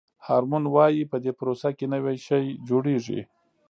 هارمون وایي په دې پروسه کې نوی شی جوړیږي.